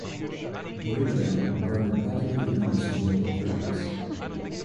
"Breakdown" garnered positive reviews from local critics.